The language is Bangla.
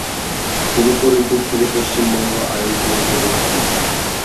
তিনি করিমপুর থেকে পশ্চিমবঙ্গ আইন পরিষদের সদস্য।